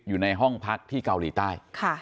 อยู่ในห้องพักที่เกาหลีใต้